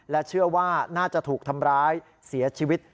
เชื่อว่าน่าจะถูกทำร้ายเสียชีวิต